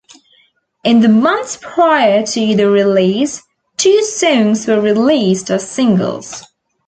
In the months prior to the release, two songs were released as singles.